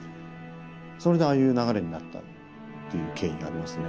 それでああいう流れになったっていう経緯がありますね。